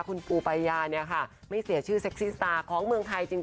คุณปูปายาเนี่ยค่ะไม่เสียชื่อเซ็กซี่สตาร์ของเมืองไทยจริง